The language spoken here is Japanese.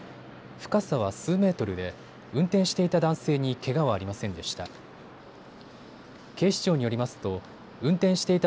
深さは数メートルで運転していた男性にけがはありませんでした。